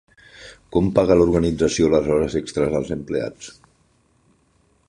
Com paga l'organització les hores extres als empleats?